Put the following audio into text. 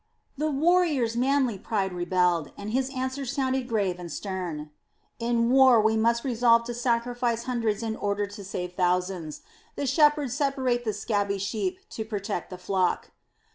The warrior's manly pride rebelled and his answer sounded grave and stern: "In war we must resolve to sacrifice hundreds in order to save thousands. The shepherds separate the scabby sheep to protect the flock."